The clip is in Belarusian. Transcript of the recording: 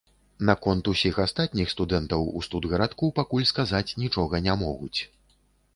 Наконт усіх астатніх студэнтаў у студгарадку пакуль сказаць нічога не могуць.